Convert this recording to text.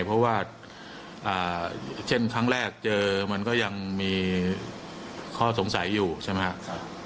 เพราะว่าเช่นครั้งแรกเจอมันก็ยังมีข้อสงสัยอยู่ใช่ไหมครับ